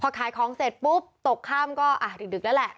พอขายของเสร็จปุ๊บตกค่ำก็ดึกแล้วแหละ